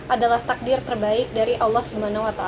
adalah takdir terbaik dari allah swt